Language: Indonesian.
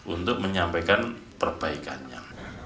untuk menyampaikan perbaikannya